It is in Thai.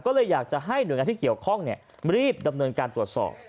ก็เลยอยากจะให้หน่วยงานที่เกี่ยวข้องรีบดำเนินการตรวจสอบ